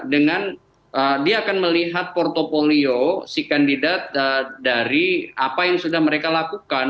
dengan dia akan melihat portfolio si kandidat dari apa yang sudah mereka lakukan